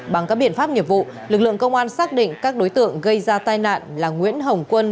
bằng các biện pháp nghiệp vụ lực lượng công an xác định các đối tượng gây ra tai nạn là nguyễn hồng quân